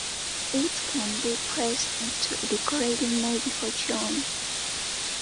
It can be pressed into a decorative mold before chilling.